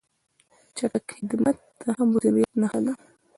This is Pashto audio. چټک خدمت د ښه مدیریت نښه ده.